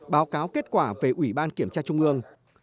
báo cáo kết quả về ủy ban kiểm tra trung ương